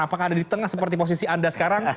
apakah ada di tengah seperti posisi anda sekarang